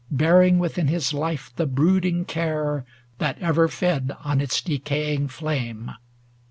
Bearing within his life the brooding care That ever fed on its decaying flame.